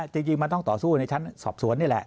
จริงมันต้องต่อสู้ในชั้นสอบสวนนี่แหละ